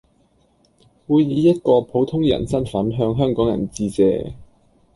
會以一個普通人身份向香港人致謝